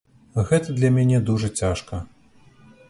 Гэта для мяне дужа цяжка.